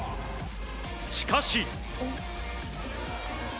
しかし。